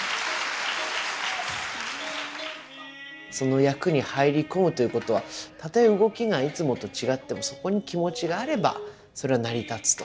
その役に入り込むということはたとえ動きがいつもと違ってもそこに気持ちがあればそれは成り立つと。